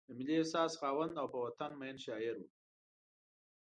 د ملي احساس خاوند او په وطن مین شاعر و.